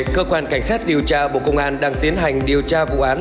cơ quan cảnh sát điều tra bộ công an đang tiến hành điều tra vụ án